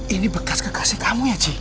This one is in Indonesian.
ini bekas kekasih kamu